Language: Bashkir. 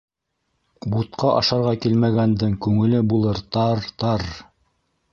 Бутка ашарға килмәгәндең Күңеле булыр тар-р, тар-р-р...